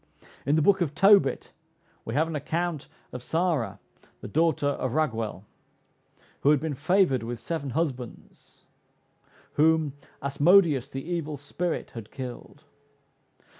In the book of Tobit we have an account of Sara, the daughter of Raguel, who had been favored with seven husbands, whom "Asmodeus the evil spirit had killed."